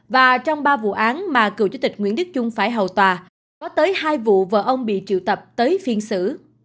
và trong ba vụ án mà cựu chủ tịch nguyễn đức trung phải hầu tòa có tới hai vụ vợ ông bị triệu tập tới phiên xử